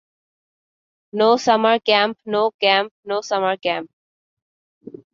No summer camp no camp no summer camp.